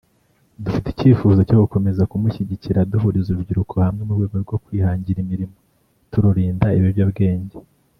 dufite icyifuzo cyo gukomeza kumushyigikira duhuriza urubyiruko hamwe mu rwego rwo kwihangira imirimo tururinda ibiyobyabwenge